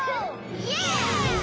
イエーイ！